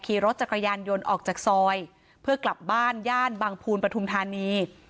ขี่รถจักรยานยนต์ออกจากซอยเพื่อกลับบ้านย่านบางภูลปฐุมธานี